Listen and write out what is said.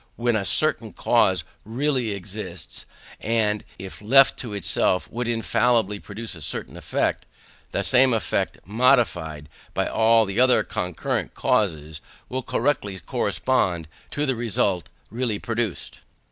When a certain cause really exists, and if left to itself would infallibly produce a certain effect, that same effect, modified by all the other concurrent causes, will correctly correspond to the result really produced.